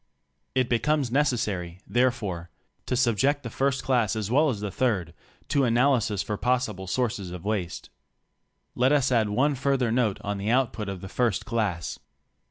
It becomes necessary, therefore, to subject the first class as well as the third to analysis for possible sources of waste. Let us add one further note on the output of the first class.